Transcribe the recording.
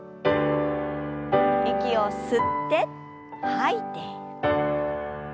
息を吸って吐いて。